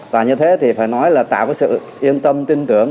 và như thế thì phải nói là tạo cái sự yên tâm tin tưởng